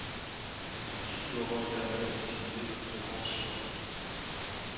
Le trifluoroéthanol est utilisé comme solvant en chimie organique.